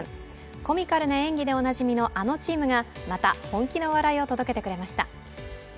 コミカルな演技でおなじみの、あのチームがまた本気の笑いを届けてくれました。